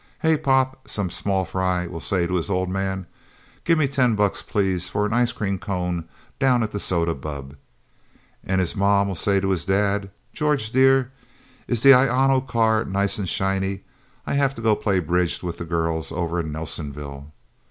'Hey, Pop!' some small fry will say to his old man. 'Gimme ten bucks, please, for an ice cream cone down at the soda bubb?' And his mom'll say to his dad, 'George, Dear is the ionocar nice and shiny? I have to go play bridge with the girls over in Nelsenville...'